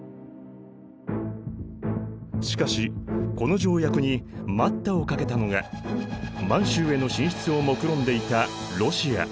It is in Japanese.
しかしこの条約に「待った！」をかけたのが満洲への進出をもくろんでいたロシア。